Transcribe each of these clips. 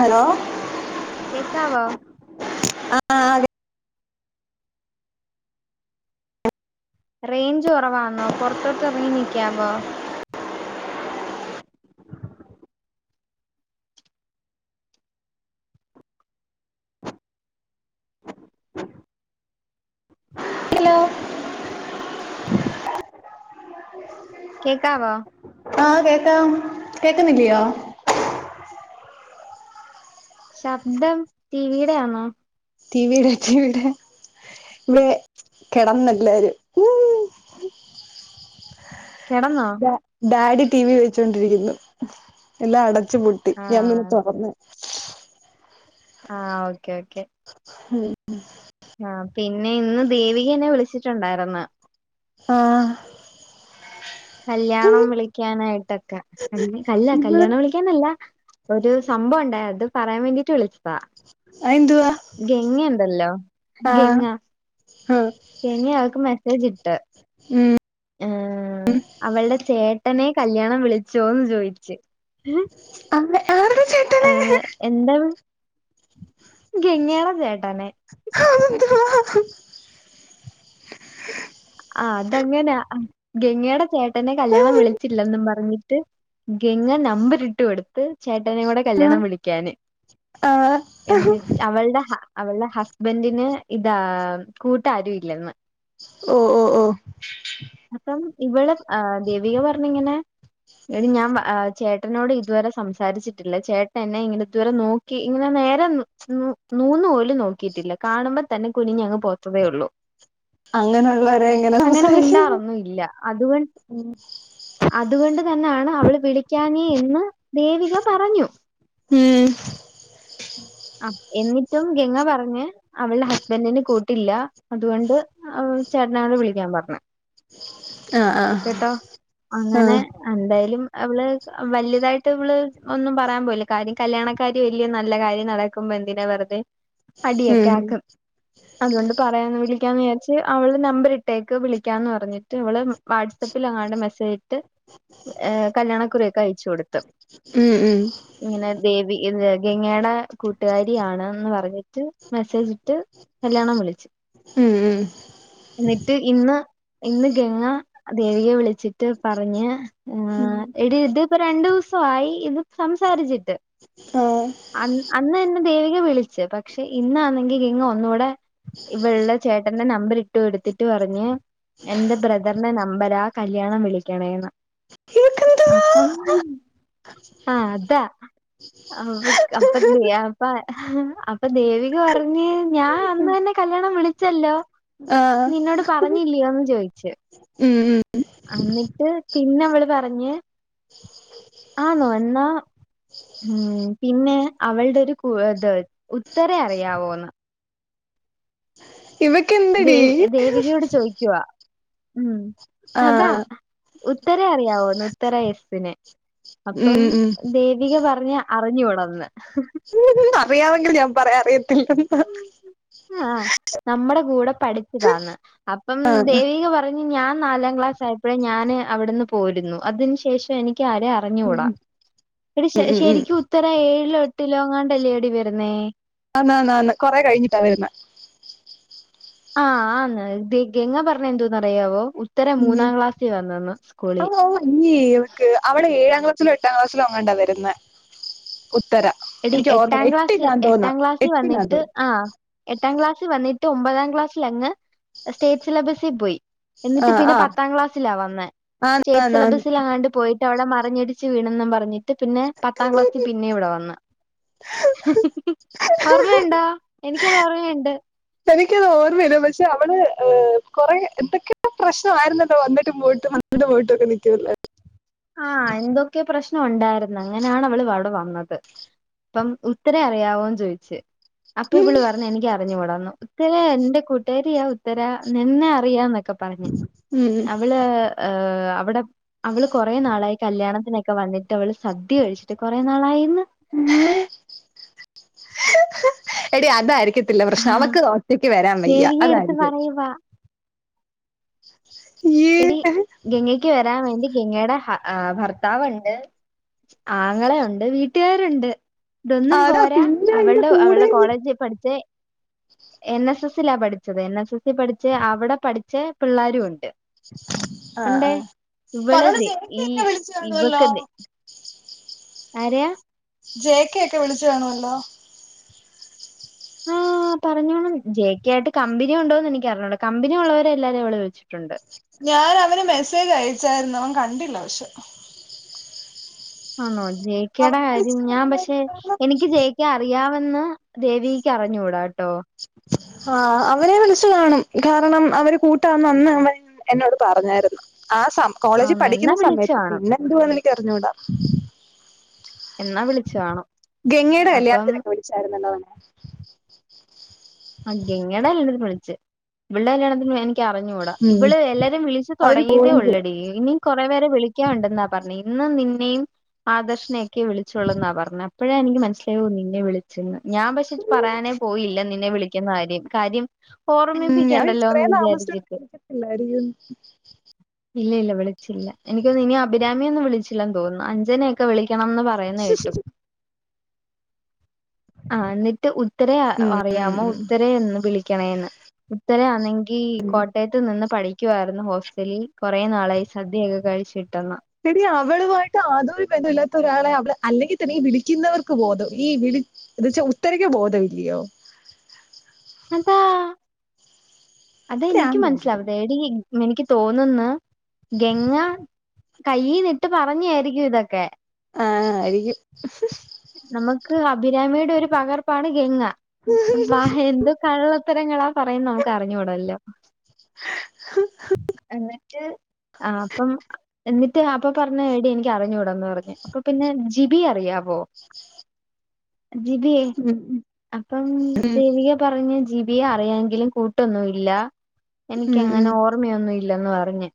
Hello കേക്കാവോ ആഹ് ആഹ് ടി റേഞ്ച് കുറവാന്നോ പുറത്തോട്ട് ഇറങ്ങി നിക്കാവോ ഹലോ കേക്കാവാ ആഹ് കേക്കാം കേക്കുന്നില്ലിയോ ശബ്ദം ടിവിടെ ആന്നോ? ടിവിടെ ടിവിടെ വെ കിടന്നല്ലാരും കിടന്നോ ഡാ ഡാഡി ടി വി വെച്ചോണ്ടിരിക്കുന്നു എല്ലാം അടച്ചുപൂ ട്ടി ഞാമ്പിന്നെ ആഹ് തൊറന്ന് ആഹ് ഓക്കേ ഓക്കെ ഉം ആഹ് പിന്നെ ഇന്ന് ദേവിക എന്നെ വിളിച്ചിട്ടുണ്ടായിര്ന്ന് ആഹ് കല്യാണം വിളിക്കാനായിട്ടൊക്കെ കല് കല് ഇവിടെ കല്യാണം വിളി ല്ല ഒരു സംഭവം ഉണ്ടായ അത് പറയാൻ വേണ്ടീട്ട് വിളി ച്ചതാ അതെന്തുവാ ഗങ്ങയുണ്ടല്ലോ ഗങ്ങ ആഹ് ഗംഗ അവൾക്ക് മെസ്സേജ് ഇട്ട് ഉം. ആഹ് അവളുടെ ചേട്ടനെ കല്യാണം വിളിച്ചോന്ന് ചോയിച്ചു അരെ ആരുടെ ചേട്ടനെ എന്താ ഗങ്ങടെ ചേട്ടനെ അതെന്തുവാ ആഹ് അതങ്ങനാ ഗംഗയുടെ ചേട്ടനെ കല്യാണം വിളിച്ചില്ലെന്നും പറഞ്ഞിട്ട് ഗങ്ങ നമ്പർ ഇട്ടു കൊടുത്ത് ചേട്ടനെ കൂടെ കല്യാണം വിളിക്കാന് ആഹ് എന്നി് അവളുടെ അവളുടെ ഹസ്ബൻഡിന് ഇതാ കൂട്ടാരും ഇല്ലന്ന് ഓ ഓ ഓ [unintelligible] അപ്പം ഇവിടെ ദേവിക പറഞ്ഞിങ്ങനെ എടി ഞാൻ ചേട്ടനോട് ഇതുവരെ സംസാരിച്ചിട്ടില്ല ചേട്ടൻ എന്നെങ്ങനെ ഇതുവരെ നോ ക്കി ഇങ്ങനെ നേരെ നൂന്നു പോലും നോക്കിയിട്ടില്ല കാണുമ്പോ തന്നെ കുനിഞ്ഞ അങ്ങ് പോത്തതേള്ളൂ അങ്ങനെയുള്ളരെ എങ്ങനെ അങ്ങനെ സംസാരിക്കുന്നെ മിണ്ടാറൊന്നും ഇല്ല. അതുകൊ അതുകൊണ്ട് തന്നെണ് അവള് വിളിക്കാഞ്ഞെ എന്ന് ദേവിക പറഞ്ഞു ഉം ആ എന്നിട്ടും ഗംഗ പറഞ്ഞ് അവളുടെ ഹസ്ബൻറിന് കൂട്ടില്ല അതുകൊണ്ട് ആ ചേട്ടനോട് വിളിക്കാൻ പറഞ്ഞു ആ ആ കേട്ടോ ആ അങ്ങനെ എന്തായാലും അവള് വല്ല്യതായിട്ട് വള് ഒന്നും പറയാൻ പോയില്ല കാര്യം കല്യാണക്കാര്യല്ല്യയൊ നല്ല കാര്യം നട ക്കും എന്തിനാ വെറുതെ അടിയൊക്കെ ഉം. ആക്കും അതുകൊണ്ട് പറയാന്ന് വിളിക്കാന്ന് വിചാരിച്ച് അവളുടെ നമ്പർ ഇട്ടേക്ക് വിളിക്കാന്ന് പറഞ്ഞിട്ട് വള് വാട്സആപ്പിൽ അങ്ങാണ്ട് മെസ്സേജ് ഇട്ട് കല്യാണക്കുറിയൊക്കെ അയച് കൊടുത്തു ഉം ഉം ഇങ്ങനെ ദേവി ഗംഗേടെ കൂട്ടുകാരിയാണെന്ന് പറഞ്ഞിട്ട് മെസ്സേജ് ഇട്ട് കല്യാണം വിളിച്ചു ഉം, ഉം എന്നിട്ട് ഇന്ന് ഇന്ന് ഗംഗ ദേവികയെ വിളിച്ചിട്ട് പറഞ്ഞ് ഉം എടീ ഇത്പ്പോ രണ്ടു ദിവസമായി ഇത് സംസാരിച്ചിട്ട് ആഹ് അ അന്ന് തന്നെ ദേവിക വിളിച്ച് പക്ഷെ ഇന്നാന്നെങ്കിൽ ഇന്ന് ഒന്നുകൂടെ ഇവളുടെ ചേട്ടന്റെ നമ്പർ ഇട്ടു കൊടുത്തിട്ട് പറഞ്ഞു എന്റെ ബ്രദറിന്റെ നമ്പരാ കല്യാണം വിളിക്കണേന്ന് ഇവക്കെന്തുവാ അപ്പം ആ അതാ അപ്പ അപ്പ അപ്പൊ ദേവിക പറഞ്ഞ് ഞാൻ അന്ന് തന്നെ കല്യാണം വിളിച്ചല്ലോ ആഹ് നിന്നോട് പറഞ്ഞില്ലയോന്ന് ചോയിച്ചു ഉം ഉം എന്നിട്ട് പിന്നെ അവള് പറഞ്ഞ് ആന്നോ എന്നാ ഉ പിന്നെ അവളുടെ ഒരു ഇത് ഉത്തരേ അറിയാവോന്ന് ഇവയ്ക്ക് എന്തടി ദേവി ദേവികയോട് ചോയിക്കുവാ ഉം അതാ ആഹ് ഉത്തരേ അറിയാവോന്ന് ഉത്തര എസ് നെ അപ്പം ഉം ഉം ദേവിക പറഞ് അറിഞ്ഞുകൂടാന്ന് അറിയാമെങ്കിൽ ഞാൻ പറയാം അറിയത്തില്ലെന്ന് ആ നമ്മുടെ കൂടെ പഠിച്ചതാന്ന് അപ്പം ആഹ് ദേവിക പറ- പറഞ്ഞു ഞാൻ നാലാം ക്ലാസ് ആയപ്പോഴേ ഞാൻ അവിടുന്ന് പോരുന്നു അതിന് ശേഷം എനിക്ക് ആരെ ഉം അറിഞ്ഞുടാ എടി ഉം ശ ഉം ഉം ശരിക്കു ഉത്തര ഏഴിലോ എട്ടിലോങ്ങാണ്ടല്ലേടി വരുന്നേ ആന് ആന് ആന് കൊറെ കഴിഞ്ഞിട്ടാണ് വരുന്ന് ആ ആന്ന് ഗ ഗംഗ പറഞ്ഞ് എന്തോന്നറിയാവോ ഉത്തര ഉം മൂന്നാം ക്ലാസ്സിൽ വന്നെന്ന് സ്കൂളിൽ ക് അവള് ഏഴാം ക്ലാസ്സിലോ എട്ടാം ക്ലാസ്സിലോ അങ്ങാണ്ടാ വരുന്നേ ഉത്തര എടീ എനിക്ക് എട്ടാം ഓർമ്മയില്ല ക്ലാസ്സിൽ എട്ടിലാന്ന് തോന്നാ എട്ടാം ക്ലാസ്സിൽ എട്ടിലാന്ന് വന്നിട്ട് തോന്നുന്നു ആ എട്ടാം ക്ലാസ്സിൽ വന്നിട്ട് ഒമ്പതാം ക്ലാസ്സിൽ അങ്ങ് സ്റ്റേറ്റ് സിലബസിൽ പോയി എന്നിട്ട് ആഹ് പിന്നെ ആഹ് പത്താം ക്ലാസ്സിലാ വന്നേ സ്റ്റേറ്റ് ആന്നാന്നാന്ന് സിലബസിൽ അങ്ങാണ്ട് പോയിട്ട് അവിടെ മറിഞ്ഞടിച്ച് വീണെന്നും പറഞ്ഞിട്ട് പിന്നെ പത്താം ക്ലാസ്സിൽ പിന്നെ ഇവിടെ വന്നു ഓർമ്മയുണ്ടോ എനിക്കത് ഓർമ്മയുണ്ട് എനിക്കത് ഓർമ്മ ഇല്ല പക്ഷെ അവള് കൊറെ എന്തൊക്കെ പ്രശ്നമായിരുന്നല്ലോ വന്നിട്ടും പോയിട്ടും വന്നിട്ടും പോയിട്ടൊക്കെ നിൽക്കല്ലായിരുന്നോ ആ എന്തൊക്കെ പ്രശ്നം ഉണ്ടായിരുന്നു അങ്ങനെയാണ് അവള് അവിടെ വന്നത് അപ്പം ഉത്തര അറിയാവോന്ന് ചോയിച്ച് അപ്പൊ ഉം ഇവള് പറ- എനിക്ക് അറിഞ്ഞൂടാന്ന് ഉത്തര എന്റെ കൂട്ടുകരിയാ ഉത്തര നിന്നെ അറിയാം എന്നൊക്കെ പറഞ്ഞ് ഉം അവള് അവടെ അവള് ആളായി കല്യാണത്തിനൊക്കെ വന്നിട്ട് അവള് സദ്യ കഴിച്ചിട്ട് കുറെ നാളായീന്ന് അമ്മേ എടീ അതായിരിക്കും [unintelligible] പ്രശ്നം ആഹ് അവൾക്ക് ഒറ്റയ്ക്ക് വരാൻ വയ്യാ ദേവിക എടുത്ത് അതായിരിക്കും പറയുവാ. ഇയ്യേ എടി ഗംഗയ്ക്ക് വരാൻ വേണ്ടി ഗംഗയുടെ ഭർത്താവുണ്ട് ആങ്ങള ഉണ്ട് വീട്ടുകാരുണ്ട് ഇതൊന്നും അതാ പോരാ പിന്നെ അതിന്റെ അവളുടെ കൂടെ അവളുടെ കോളേജ് പഠിച്ച എൻ എസ് എസ് ലാ പഠി ഠിച്ചത് എൻ എസ് എസി പഠിച്ച അവിടെ പഠിച്ച പിള്ളേരും ഉണ്ട് ആഹ് ഉണ്ടേ ആഹ് പറ ഇവള് [unintelligible] ദേ ചേച്ചി ഈ ന്നേ വിളിച്ചു കാണുവല്ലോ ആരേയ ജേക്കെ ഒക്കെ വിളിച്ചു കാണവല്ലോ ആഹ് പറഞ്ഞോണം ജെ കെ ആയിട്ട് കമ്പനിയൊണ്ടോന്ന് എനിക്ക് അറിഞ്ഞുടാ കമ്പനിയൊള്ളോരെ എല്ലാരേം അവള് വിളിച്ചിട്ടുണ്ട് ഞാനവന് മെസ്സേജ് അയച്ചായിരുന്നു അവൻ കണ്ടില്ല പക്ഷെ ആന്നോ ജെ ക്കേടെ അവനെ കാര്യം വിളിച്ചു ഞാൻ പക്ഷെ കാണുമായിരിക്കുമല്ലോ എനിക്ക് ജേക്കെ അറി അറിയാമെന്ന് ദേവിക്ക് അറിഞ്ഞൂടാട്ടോ ആഹ് അവനെ വിളിച്ചു കാണും കാരണം അവര് കൂട്ടാന്ന് അന്ന [inaudible] എന്നോട് പറഞ്ഞായിരുന്നു ആ സ്സം കോളേജിൽ ആന്നോ എന്നാ പഠിക്കുന്ന വിളിച്ചു സമയത്ത് കാണും പിന്നെ എന്തുവാ ന്നെനിക്ക്റിഞ്ഞൂടാ എന്നാ വിളിച്ചു കാണും ഗംഗെടെ അപ്പം കല്യാണത്തിനൊക്കെ വിളിച്ചായിരുന്നല്ലോ [inaudible] ആഹ് ഗംഗേടെ കല്ല്യാണത്തിന് വിളിച്ച് ഇവിൾടെ കല്യാണത്തിന് എനിക് ക്ക് അറിഞ്ഞൂടാ ഉം ഇവിള് എല്ലാരേം വിളിച്ചു അവര് തുടങ്ങീട്ടേ പോവുകയും ചെയ്തു ഒള്ളെടി ഇനി കുറെ പേരെ വിളിക്കാണ്ടെന്നാ പറഞ്ഞേ ഇന്ന് നിന്നേം ആദർശനേക്കെ വിളിച്ചോള്ളൂന്നാ പറഞ്ഞെ അപ്പോഴെ എനിക്ക് മനസ്സിലാ ഓ നിന്നെ വിളി ചെന്ന് ഞാൻ പക്ഷെ പറയാനേ പോയില്ല നിന്നെ വിളിക്കുന്ന കാര്യം കാര്യം ഉം ഞാൻ ഓർമ്മിപ്പിക്കെണ്ടല്ലോ ന്ന് ഇത്രയും താമസിച്ചോണ്ട് വിചാരിച്ചിട്ട് വിളിക്കത്തില്ലായിരിക്കും ഇല്ല ഇല്ല വിളിച്ചില്ല എനിക്കൊന്നു ഇനി അഭിരാമിയൊന്നും വിളിച്ചില്ലന്ന് തോന്നുന്നു അഞ്ചനെയൊക്കെ വിളിക്കണംന്ന് പറ പറയുന്നേ കേട്ടു അഹ് ന്നിട്ട് ഉത്തരെ അ ഉം ഉം അറിയാമോ ഉ ഉം ന്ന് വിളിക്കണെ ന്ന് ഉത്തരയാന്നെങ്കി കോട്ടയത്ത് നിന്ന് പഠിക് ക്കുവായിരുന്നു ഹോസ്റ്റലിൽ കുറേ നാളായി സദ്യയൊക്കെ കഴിച്ചിട്ടോന്ന് എടി അവളുമായിട്ട് ആതൊരു ബന്ധമില്ലാത്ത ഒരാളെ അവള് അല്ലെങ്കിൽ തന്നെ ഈ വിളിക്കുന്നവർക്ക് ബോധം ഈ വിളി ത്ച്ചാ ഉത്തരയ്ക്കും ബോധല്ല്യോ അതാ അതെ എനിക്കും പ്രാന്തായിരിക്കും മനസ്സിലാവതെ എടി എനിക്ക് തോന്ന്ന്ന് ഗെംഗാ കയ്യിലിട്ട് പറഞ്ഞെരിക്കും ഇതൊക്കെ ആഹ് ആയിരിക്കും നമുക്ക് അഭിരാമിടെ ഒരു പകർപ്പാണ് ഗംഗ വാ എന്തു കള്ളത്തരങ്ങളാ പറയുന്ന നമുക്ക് അറിഞ്ഞൂടല്ലോ എന്നിട്ട് അഹ് അപ്പം എന്നിട്ട് അപ്പൊ പറഞ്ഞു എടി എനിക്ക് അറിഞ്ഞൂടെന്ന് പറഞ്ഞ് അപ്പൊ പിന്നെ ജിബി അറിയാവോ ജിബീ ഉം അപ്പം ദേവിക പറഞ്ഞ് ജിബിയെ അറിയാങ്കിലും കൂട്ടൊന്നും ഇല്ല ഉം എനിക്കങ്ങനെ ഉം ഓർ ഓർമയൊന്നും ഇല്ലെന്ന് പറഞ്ഞ്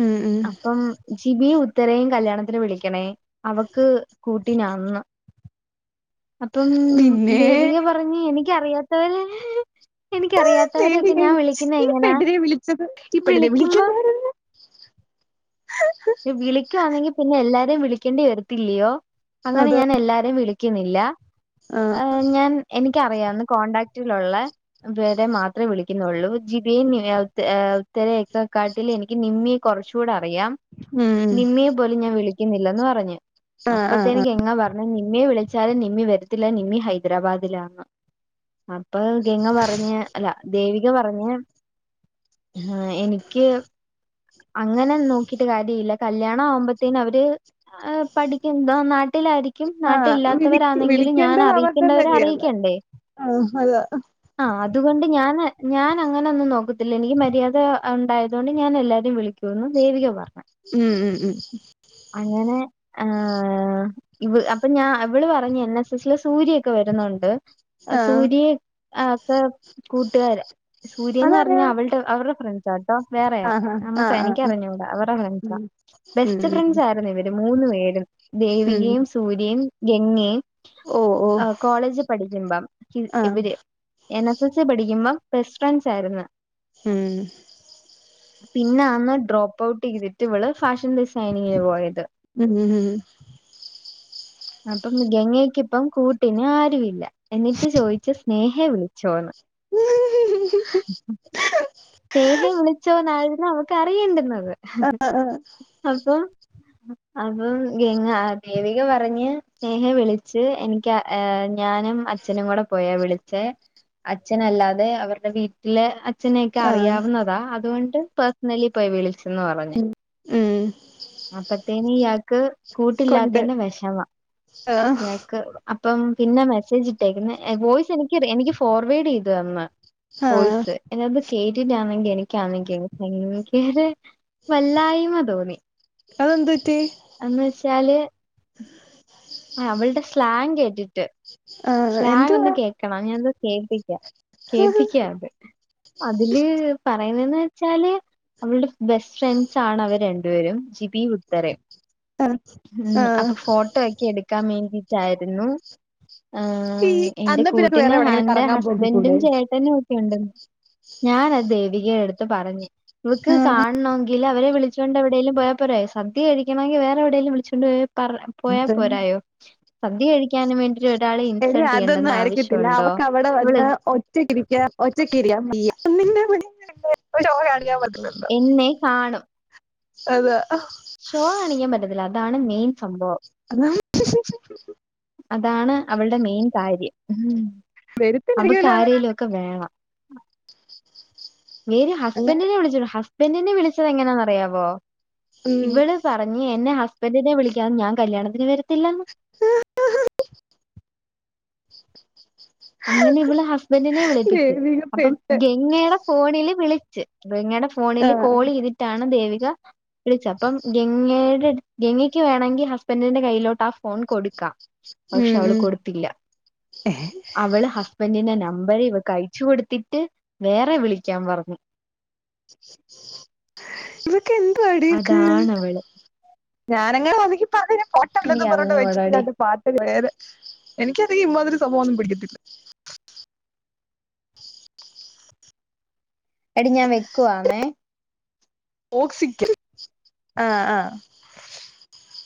ഉം ഉം അപ്പം ജിബിയും ഉത്തരേം കല്യാണത്തിന് വിളിക്കണേ അവക്ക് കൂട്ടിനാന്ന് അപ്പം പിന്നെ ദേവിക പറഞ് പറഞ്ഞ് എനിക്കറിയാത്തവരേ എനിക്കറിയാത്തവരൊക്കെ ദേവിയേ ഞാൻ വിളിക്കുന്നെ ഈ എങ്ങനാ പെണ്ണിനെ വിളിച്ചത് ഈ പെണ്ണിനെ വിളിക്കുമ്പോ വിളിക്കണ്ടായിരുന്നു വിളിക്കുവാന്നെങ്കി പിന്നെ എല്ലാരേും വിളിക്കേണ്ടി വരത്തില്ലയോ അങ്ങനെ അതെ ഞാൻ എല്ലാരേും വിളി ക്കുന്നില്ല ആഹ് ഞാൻ എനിക്കറിയാന്ന കോൺടാക്റ്റിലുള്ള വരെ മാത്രേ വിളിക്കുന്നുള്ളൂ ജിബിയേ ഉത്തരയൊക്കെക്കാട്ടിൽ എനിക്ക് നിമ്മി കുറച്ചൂടെ അറിയാം ഉം നിമ്മിയെ പോലും ഞാൻ വിളിക്കുന്നില്ലെന്ന് പറഞ്ഞ് ആഹ് ആഹ് അപ്പത്തെന് ഗംഗ പർഞ്ഞു നിമ്മിയെ വിളിച്ചാലും നിമ്മി വര്ത്തില്ല നിമ്മി ഹൈദരാബാദിലാന്ന്. അപ്പ ഗംഗ പറഞ്ഞ് അല്ല ദേവിക പറഞ്ഞ്. ഹാ എനിക്ക്. അങ്ങനെ ന്നോക്കിട്ട് കാര്യ ഇല്ല കല്യാണാവുമ്പത്തേനവര്. ആ പഠിക്ക്ണ്ടോ നാട്ടിലായിരി ക്യും ആഹ് ആഹ് വിളി നാട്ടില്ലാത്തവരാന്നെങ്കില് വിളിക്കേണ്ടത് അവരുടെ ഞാനറിയിക്ക്യണ്ടവരെ മര്യാദ അറിയിക്ക്യണ്ടേ. ആഹ് അതാ ആഹ് അതുകൊണ്ട് ഞാന് ഞാനങ്ങനൊന്നും നോക്കത്തില്ല എനിക്ക് മര്യാദ ഒണ്ടായതുകൊണ്ട് ഞാൻ എല്ലാര രിം വിളിക്ക്യൂന്ന് ദേവിക പർഞ്ഞ് ഉം ഉം ഉം അങ്ങനെ. ആ ഇവ് അപ്പ ഞാ ഇവള് പറഞ്ഞ് എൻ എസ് എസ്ല് സൂര്യ ഒക്കെ വരുന്നുണ്ട്. അ ആഹ് സൂരി ആഹ് ക്കെ കൂട്ടുകാര സൂര്യന്ന് അതാരാ പർഞ്ഞാ അവൾ. ട്ട് അവർടെ ഫ്രണ്ട്സ ട്ടോ വേറെയ. ആഹ് മ്മക്ക ആഹ് ആഹ് ആഹ് എനിക്ക്യറിഞ്ഞൂട അവർടെ ഫ്രണ്ട്സ ഉം ഉം ബെസ്റ്റ് ഉം ഫ്രണ്ട്സായി തണ് ഇവര് മൂന്നു പേരും ഉം ദേവികയും സൂര്യയും ഗംഗേം. ഓഹ് ഓഹ് ഓ കോളേജ് പഠിക്കുമ്പം ഇവ് ആഹ് ഇവിര്. എൻ എസ് എസ് സി പഠിക്ക്യുമ്പം ബെസ്റ്റ് ഫ്രണ്ട്സായിരുന്നു. ഉം. പിന്നാന്ന് ഡ്രോപ്പൗട്ടെയ്തിട്ട് വള് ഫാഷൻ ഡിസൈനിങ്ങിന് പോയത്. ഉം ഉം. അപ്പം ഗങ്ങയ്ക്കിപ്പം കൂട്ടിന് ആരു ഇല്ല. എന്നിട്ട് ചോയ്ച്ച് സ്നേഹെ വിളിച്ചോന്ന്. സ്‌നേഹെ വിളി ന്നാഴ്ന്നു അവക്കറിയേണ്ടുന്നത്. അ അ ആഹ്. അപ്പം. അപ്പം ഗങ്ങാ ദേവിക പറഞ്ഞ് സ്നേഹെ വിളിച്ച് എൻക്ക്യ. ഏഹ് ഞാനും അച്ഛനും കൂടെ പോയാ വിളിച്ചെ അച്ഛനല്ലാതെ അവർടെ വീട്ടിലെ അച്ഛനെക്കെ ആഹ് അറിയാവുന്നതാ അ തുകൊണ്ട് പെസ് ന്നെല്ലി പോയി വിളിച്ചന്ന് പറഞ് ഉം അപ്പത്തേനി ഇയാക്ക്. കൊണ്ട് കൂട്ടില്ലാത്തെൻ്റെ വെഷമ ആഹ് യാക്ക്. അപ്പം പിന്നെ മെസ്സേജിട്ടേക്കുന്നെ എ വോയ്സെനിക്ക്യത് എനിക്ക് ഫോർവേഡെയ്തു തന്ന്. ആഹ് വോയ്സ് എന്ന അത് കേട്ടിട്ടാന്നെങ്കി എനിക്ക്യാന്നെങ്കി ങ്ങ് ഭയ്ങ്കര. വല്ലായ്മ തോന്നി അതെന്ത് പറ്റി എന്ന് വെച്ചാല്. ആഹ് അവൾടെ സ്ലാങ് കേട്ടിട്ട്. ആഹ്. സ്ലാങ്ങൊന്ന് എന്തുവാ കേക്കണം ഞാനത് കേപ്പിക്ക്യ കേപ്പിക്ക്യാത്. അതില് പറയ്ന്നന്ന് വെച്ചാല്. അവൾടെ ബെസ്റ്റ് ഫ്രണ്ട്സാണവര് രണ്ടുപേരും ജിബി ഉത്തരെ. ആഹ് ഉം ആഹ് അപ്പ ഫോട്ടോക്കി എടുക്കാ വേണ്ടിട്ടായിരുന്നു. ആ ഈ എന്റെ അന്നാ പിന്നെ കൂട്ടിന് വേറെ എവിടെങ്കിലും ഹാന്റെ കറങ്ങാൻ ഹസ്ബൻറും പോക്കിക്കൂടെ ചേട്ടനു. ക്ക്യൂണ്ട് ഞാനത് ദേവികേടട്ത്ത് പറഞ്ഞ് ഇവക്ക് ആഹ് കാൺണോങ്കി. ങ്കിലവരെ വിളിച്ചോണ്ട് എവിടേലും പോയാ പോരേ സദ്യ കഴിക്ക്യണങ്കി വേറെ എവിടേലും വിളിച്ചൊണ്ട് പോയി പറ പോയാ അത് പോരായോ സദ്യ കഴിക്ക്യാനും വേണ്ടിട്ട് ഒരാളെ എടി ഇൻസൾട്ട് അതൊന്നും ചെയ്യേണ്ടെന്ന് ആയിരിക്കത്തില്ല ആവശ്യമുണ്ടോ അവക്ക് അവടെ ഇവള് വന്ന്. ഒറ്റക്കിരിക്ക്യ ഒറ്റക്കിരിയാ ഒന്നി [unintelligible] ഗാണ് ഞാ പറ്റുന്നത്. എന്നെ കാണും. അത. ഷോ കാണിക്ക്യാ പറ്റത്തില്ല അതാണ് മെയിൻ സംഭവം. അതാണ്. ഹം ഹം ഹം അതാണ് അവളുടെ മെയിൻ കാര്യം അവക്ക് വരുത്തില്ലായിരിക്കുവല്ലോ അങ്ങനെ ആരെലുംക്കെ വേണം വേര് അങ്ങനെ ഹസ്ബന്റിനെ വിളിച്ചോളു ഹസ്ബന്റി നെ വിളിച്ചത് എങ്ങനാന്നറിയാവോ ഉം ഇവള് പറഞ്ഞ് എന്റെ ഹസ്ബന്റിനെ വിളിക്കാഞ്ഞ് ഞാൻ കല്ല്യാണത്തിന് വരത്തില്ലാന്ന് ഏഹ് അങ്ങനെ ഇവള് ഹസ്ബന്റിനെ വിളിപ്പിച്ചു ദേവിക അപ്പം പെട്ട് ഗംഗയുടെ ഫോണില് വിളിച്ച് ഗംഗ യുടെ ഫോണില് ആഹ് കോൾ ചെയ്തിട്ടാണ് ദേവിക വിളിച്ചത് അപ്പം ഗംഗയുടെ ഗംഗക്ക് വേണോങ്കി ഹസ്ബന്റിന്റെ കയ്യിലോട്ട് ആഹ് ഫോൺ കൊടുക്കാം ഉം പക്ഷെ അവള് ഉം കൊടുത്തില്ല. അവള് ഹസ്ബന്റിന്റെ നമ്പർ ഇവൾക്കയ ച്ചൊടുത്തിട്ട് വേറെ വിളിക്കാൻ പറഞ്ഞു ഇ [unintelligible] അതാണവള് ഞാനങ്ങാണോന്നെങ്കി പ്പോപ്പ അതി പൊട്ടല്ലത് പറഞ്ഞട്ട് വെച്ചിട്ട് എനിക്കറിഞ്ഞൂടാടി. ക പാട്ട് കേയറ എനിക്കാണെങ്കി ഇമാതിരി സൊഭാവംന്നും പിടിക്കത്തില്ല എടി ഞാൻ വെക്കുവാന്നെ പോക് സിക്ക ആഹ് ആഹ്